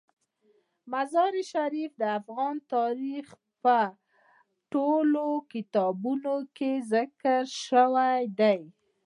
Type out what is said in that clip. مزارشریف د افغان تاریخ په ټولو کتابونو کې ذکر شوی دی.